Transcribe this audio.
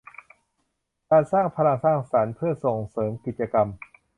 การสร้างพลังสร้างสรรค์เพื่อส่งเสริมกิจกรรม